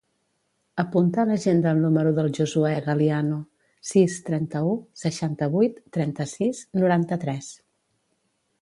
Apunta a l'agenda el número del Josuè Galiano: sis, trenta-u, seixanta-vuit, trenta-sis, noranta-tres.